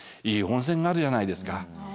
いい温泉があるじゃないですか。